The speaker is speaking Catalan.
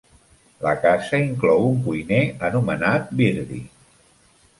La casa inclou un cuiner anomenat Birdie.